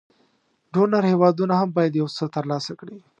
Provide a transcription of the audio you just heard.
ډونر هېوادونه هم باید یو څه تر لاسه کړي.